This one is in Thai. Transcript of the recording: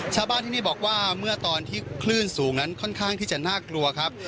ชาวบ้านที่นี่บอกว่าเมื่อตอนที่คลื่นสูงนั้นค่อนข้างที่จะน่ากลัวครับ